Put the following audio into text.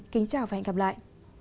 kính chào và hẹn gặp lại